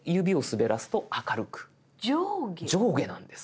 上下なんです。